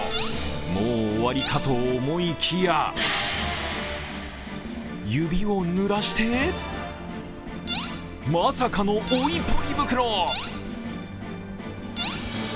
もう終わりかと思いきや指をぬらして、まさかの追いポリ袋。